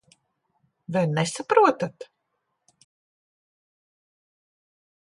Vai nesaprotat?